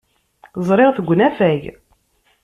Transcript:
Ẓriɣ-t deg unafag.